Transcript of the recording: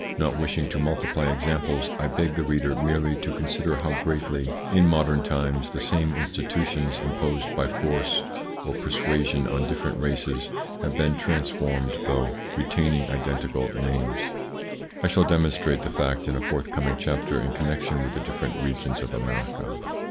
Not wishing to multiply examples, I beg the reader merely to consider how greatly, in modern times, the same institutions, imposed by force or persuasion on different races, have been transformed, though retaining identical names. I shall demonstrate the fact in a forthcoming chapter in connection with the different regions of America.